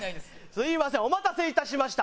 すみませんお待たせいたしました。